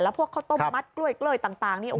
แล้วพวกเขาต้มมัดกล้วยเกล้ยต่างนี่